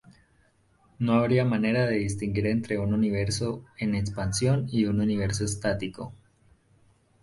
No habría manera de distinguir entre un Universo en expansión y un universo estático.